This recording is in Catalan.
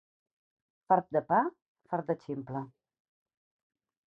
Fart de pa, fart de ximple.